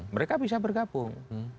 mereka bisa bergabung